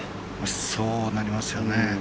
そうなりますよね。